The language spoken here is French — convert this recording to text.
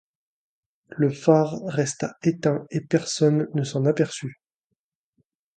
Le phare resta éteint et personne ne s'en aperçu.